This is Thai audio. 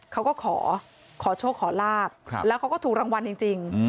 เขาก็ขอขอโชคขอลาบแล้วเขาก็ถูกรางวัลจริง